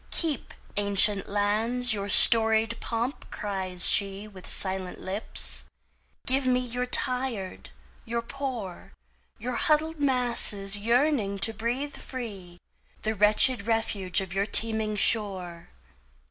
"Keep, ancient lands, your storied pomp!" cries sheWith silent lips. "Give me your tired, your poor, Your huddled masses yearning to breathe free, The wretched refuse of your teeming shore.